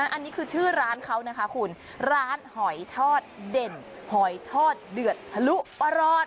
อันนี้คือชื่อร้านเขานะคะคุณร้านหอยทอดเด่นหอยทอดเดือดทะลุประหลอด